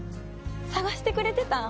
捜してくれてたん？